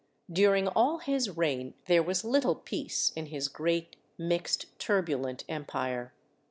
During all his reign there was little peace in his great mixed turbulent empire.